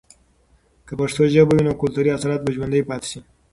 که پښتو ژبه وي، نو کلتوری اصالت به ژوندۍ پاتې سي.